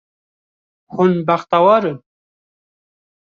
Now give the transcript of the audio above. Hûn bextewar in?